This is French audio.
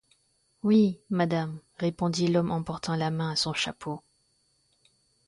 Oui, madame, répondit l'homme en portant la main à son chapeau.